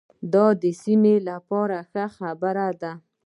دا د سیمې لپاره ښه خبر دی.